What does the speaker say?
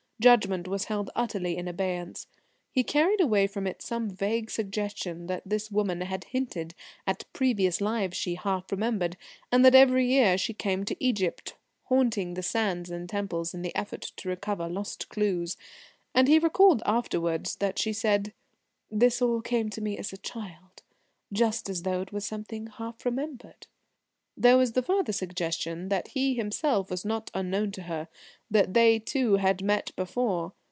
Judgment was held utterly in abeyance. He carried away from it some vague suggestion that this woman had hinted at previous lives she half remembered, and that every year she came to Egypt, haunting the sands and temples in the effort to recover lost clues. And he recalled afterwards that she said, "This all came to me as a child, just as though it was something half remembered." There was the further suggestion that he himself was not unknown to her; that they, too, had met before.